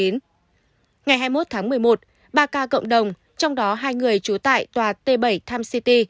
ngày hai mươi một tháng một mươi một ba ca cộng đồng trong đó hai người trú tại tòa t bảy tom city